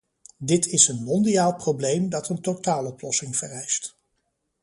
Dit is een mondiaal probleem dat een totaaloplossing vereist.